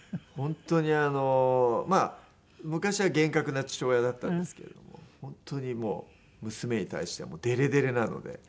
本当にあのまあ昔は厳格な父親だったんですけれども本当にもう娘に対してはデレデレなので。